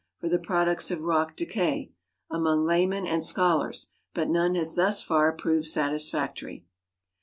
for the products of rock de caj'— among laymen and scholars, but none has thus far proved satisfac tory.